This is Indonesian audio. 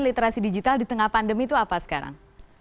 literasi digital di tengah pandemi itu apa sekarang